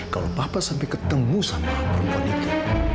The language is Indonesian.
kalau papa sampai ketemu sama perempuan itu